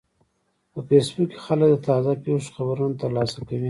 په فېسبوک کې خلک د تازه پیښو خبرونه ترلاسه کوي